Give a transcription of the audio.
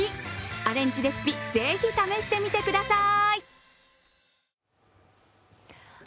アレンジレシピぜひ試してみてください。